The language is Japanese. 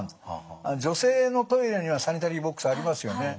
女性のトイレにはサニタリーボックスありますよね。